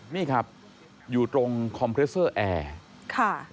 นี่ครับอยู่ตรงคอมเพรสเซอร์แอร์ค่ะ